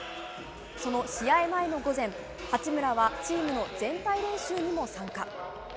その試合前の午前、八村はチームの全体練習にも参加。